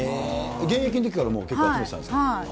現役のときからもう、結構集めてたんですか？